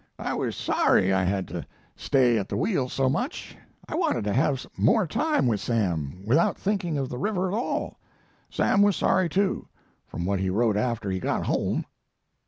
"I was sorry I had to stay at the wheel so much. I wanted to have more time with Sam without thinking of the river at all. Sam was sorry, too, from what he wrote after he got home."